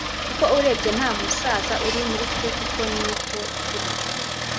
kuko urebye nta n’ umusaza uri muri twe uko niko kuri